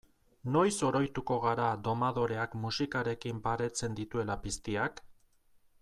Noiz oroituko gara domadoreak musikarekin baretzen dituela piztiak?